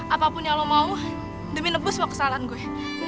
apapun yang lo mau demi nebus wah kesalahan gue